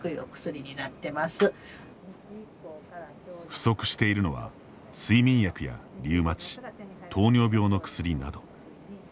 不足しているのは睡眠薬やリューマチ糖尿病の薬など。